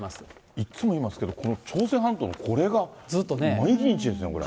いっつも言いますけど、朝鮮半島のこれが毎日ですね、これが。